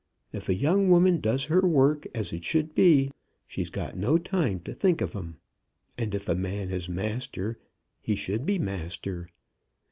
If a young woman does her work as it should be, she's got no time to think of 'em. And if a man is master, he should be master.